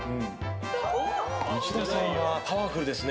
内田さんはパワフルですね。